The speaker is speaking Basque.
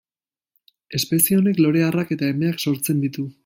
Espezie honek lore arrak eta emeak sortzen ditu.